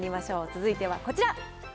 続いてはこちら。